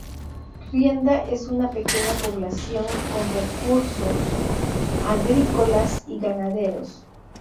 Rienda es una pequeña población con recursos agrícolas y ganaderos.